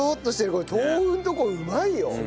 これ豆腐のとこうまいよ！